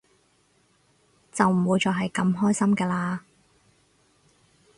就唔會再係咁開心㗎喇